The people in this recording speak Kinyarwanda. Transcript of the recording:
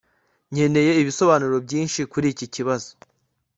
nkeneye ibisobanuro byinshi kuri iki kibazo